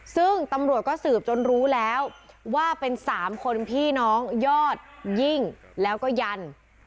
ซึ่งตำรวจก็สืบจนรู้แล้วว่าเป็น๓คนพี่น้องยอดยิ่งแล้วก็ยัน